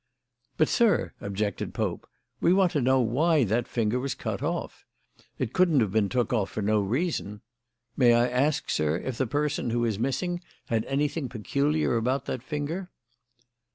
"But, sir," objected Pope, "we want to know why that finger was cut off. It couldn't have been took off for no reason. May I ask, sir, if the person who is missing had anything peculiar about that finger?"